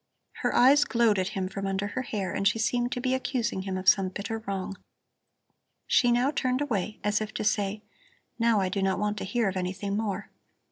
Her eyes glowed at him from under her hair and she seemed to be accusing him of some bitter wrong. She now turned away, as if to say: Now I do not want to hear of anything more.